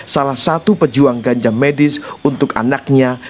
salah satu pejuang ganja medis untuk anaknya